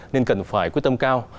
nên cần phải quyết tâm cao